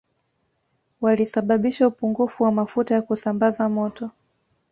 Walisababisha upungufu wa mafuta ya kusambaza moto